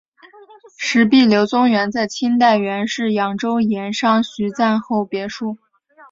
石壁流淙园在清代原是扬州盐商徐赞侯别墅。